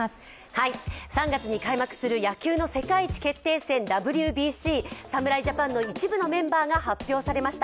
３月に開幕する野球の世界一決定戦、ＷＢＣ侍ジャパンの一部のメンバーが発表されました。